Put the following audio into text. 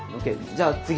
じゃあ次。